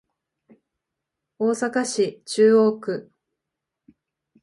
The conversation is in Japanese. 大阪市中央区